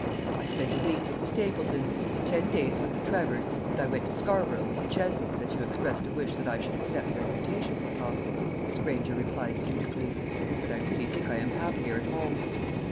"I spent a week with the Stapletons, and ten days with the Trevors, and I went to Scarborough with the Chesneys, as you expressed a wish that I should accept their invitation, papa," Miss Granger replied dutifully; "but I really think I am happier at home."